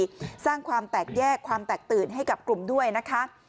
สร้างความแตกแยกความแตกตื่นให้กับกลุ่มด้วยนะคะ